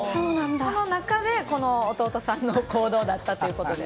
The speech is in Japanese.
その中で弟さんのこの行動だったということで。